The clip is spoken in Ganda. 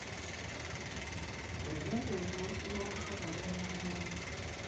Weegendereze olusu lw'omusota luwunya bulungi.